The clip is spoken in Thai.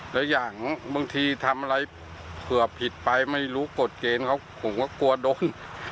และอย่างบางทีทำอะไรเผื่อผิดไปไม่รู้กฎเกณฑ์เขาผมก็กลัวโดน